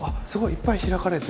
いっぱい開かれて。